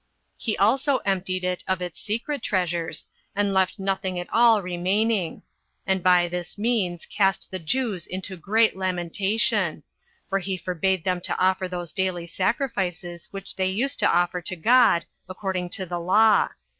He also emptied it of its secret treasures, and left nothing at all remaining; and by this means cast the Jews into great lamentation, for he forbade them to offer those daily sacrifices which they used to offer to God, according to the law.